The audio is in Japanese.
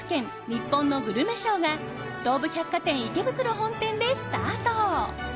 にっぽんのグルメショーが東武百貨店池袋本店でスタート。